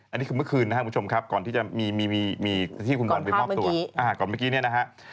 อันนี้คือเมื่อคืนนะคุณผู้ชมครับก่อนที่จะมีคุณดูหลังไปมอบตัว